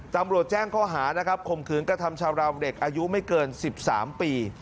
ตำรวจแจ้งเขาหานะครับคมคืนกระทำชาวราวเด็กอายุไม่เกิน๑๓ปี